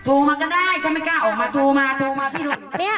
ทูมาก็ได้ก็ไม่กล้าออกมาทูมาทูมาพี่น้อง